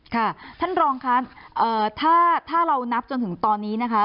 ค่ะท่านรองค่ะถ้าเรานับจนถึงตอนนี้นะคะ